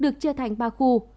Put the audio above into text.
được chia thành ba khu